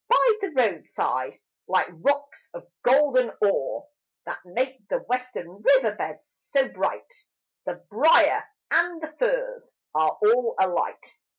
By the roadside, like rocks of golden ore That make the western river beds so bright, The briar and the furze are all alight!